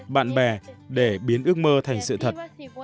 bạn bè để biến ước mơ thành sự thật